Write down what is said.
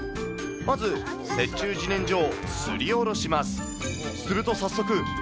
まず、雪中じねんじょをすりおろします。